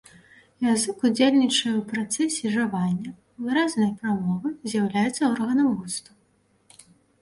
Язык ўдзельнічае ў працэсе жавання, выразнай прамовы, з'яўляецца органам густу.